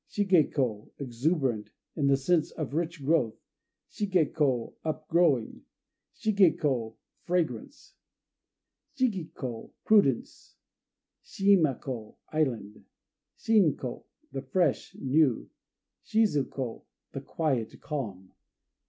Shigé ko "Exuberant," in the sense of rich growth. Shigé ko "Upgrowing." Shigé ko "Fragrance." Shiki ko "Prudence." Shima ko "Island." Shin ko "The Fresh," new. Shizu ko "The Quiet," calm.